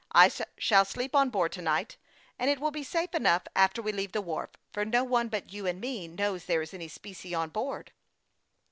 I shall sleep on board to night, and it will be safe enough after we leave the wharf, for no one but you and me knows there is any specie on board."